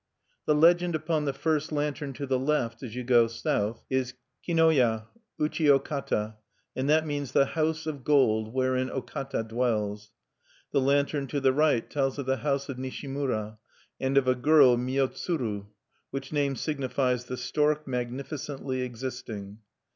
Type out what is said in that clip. The legend upon the first lantern to the left as you go south is "Kinoya: uchi O Kata;" and that means The House of Gold wherein O Kata dwells. The lantern to the right tells of the House of Nishimura, and of a girl Miyotsuru, which name signifies The Stork Magnificently Existing.